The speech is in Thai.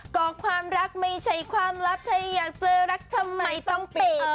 ก็ความรักไม่ใช่ความลับเธออยากเจอรักทำไมต้องตี